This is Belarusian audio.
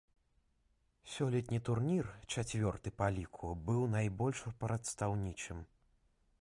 Сёлетні турнір, чацвёрты па ліку, быў найбольш прадстаўнічым.